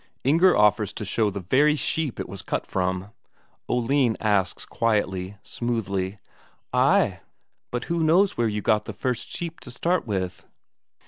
Inger offers to show the very sheep it was cut from. Oline asks quietly, smoothly: "Ay, but who knows where you got the first sheep to start with?"